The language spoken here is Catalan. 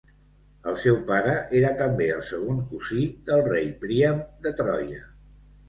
El seu pare era també el segon cosí del rei Príam de Troia.